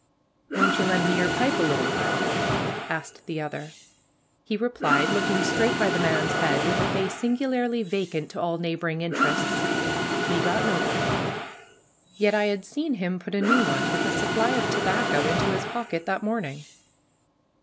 "Won't you lend me your pipe a little while?" asked the other. He replied, looking straight by the man's head, with a face singularly vacant to all neighboring interests, "Me got no pipe"; yet I had seen him put a new one, with a supply of tobacco, into his pocket that morning.